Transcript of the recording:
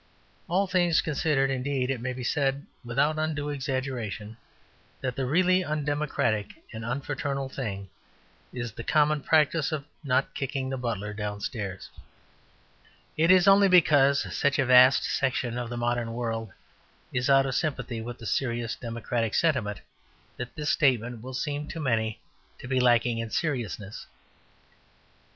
All things considered indeed, it may be said, without undue exaggeration, that the really undemocratic and unfraternal thing is the common practice of not kicking the butler downstairs. It is only because such a vast section of the modern world is out of sympathy with the serious democratic sentiment that this statement will seem to many to be lacking in seriousness.